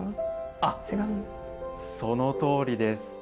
あっそのとおりです。